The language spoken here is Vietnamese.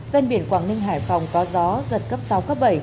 ven biển quảng ninh hải phòng có gió giật cấp sáu cấp bảy